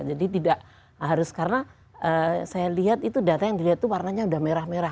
jadi tidak harus karena saya lihat itu data yang dilihat itu warnanya sudah merah merah